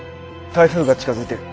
台風が近づいてる。